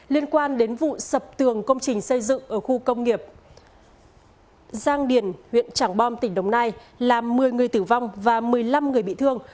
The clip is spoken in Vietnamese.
liên quan đến vụ sập tường công trình xây dựng ở khu công nghiệp giang điền huyện trảng bom tỉnh đồng nai làm một mươi người tử vong và một mươi năm người bị thương